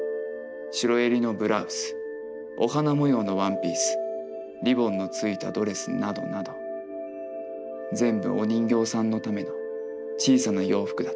白襟のブラウスお花模様のワンピースリボンのついたドレスなどなど全部お人形さんのための小さな洋服だった。